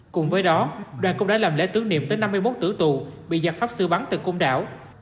cùng với đó đoàn cũng đã làm lễ tướng niệm tới năm mươi một tử tù bị giặt pháp sư bắn từ công đảo